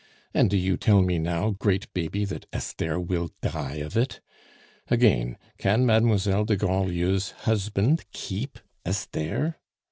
And do you tell me now, great Baby, that Esther will die of it? Again, can Mademoiselle de Grandlieu's husband keep Esther?